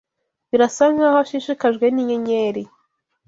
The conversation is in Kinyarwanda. Birasa nkaho ashishikajwe n’inyenyeri.